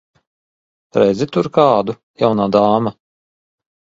Redzi tur kādu, jaunā dāma?